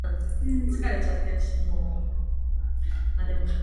간난이는 세 개의 사기바늘에 실을 붙였다.